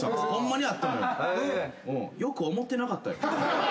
良く思ってなかったよ。